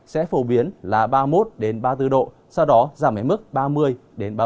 sẽ phổ biến là ba mươi một ba mươi bốn độ sau đó giảm đến mức ba mươi ba mươi bốn